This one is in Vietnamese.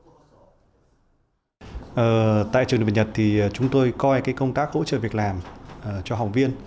tại trường đại việt nhật thì chúng tôi coi công tác hỗ trợ việc làm cho học viên